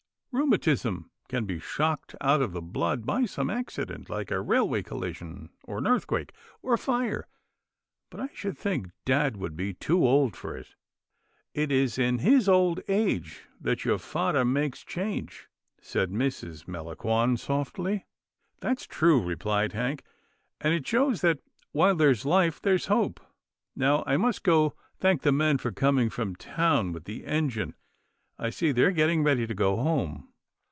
Rheumatism can be shocked out of the blood by some accident like a railway collision, or an earthquake, or a fire, but I should think dad would be too old for it." "It is in his old age that your fathah makes change," said Mrs. Melangon softly. " That's true," replied Hank, " and it shows that while there's life, there's hope. Now I must go thank the men for coming from town with the engine. I see they're getting ready to go home."